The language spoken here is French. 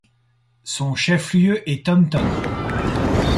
Son chef-lieu est Taunton.